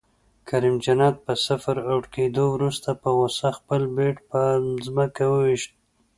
کریم جنت په صفر اؤټ کیدو وروسته په غصه خپل بیټ په ځمکه وویشت